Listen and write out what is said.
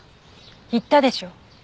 言ったでしょ。